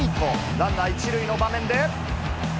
ランナー１塁の場面で。